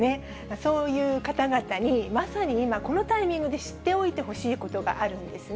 そういう方々にまさに今、このタイミングで知っておいてほしいことがあるんですね。